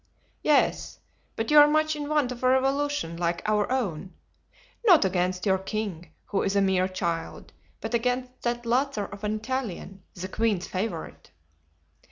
"Yes, but you are much in want of a revolution like our own—not against your king, who is a mere child, but against that lazar of an Italian, the queen's favorite."